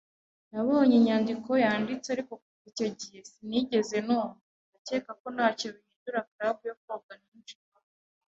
Nabonye inyandiko yanditse, ariko kuva icyo gihe sinigeze numva. Ndakeka ko ntacyo bihindura club yo koga ninjiyemo.